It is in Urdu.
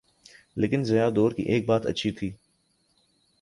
لیکن ضیاء دور کی ایک بات اچھی تھی۔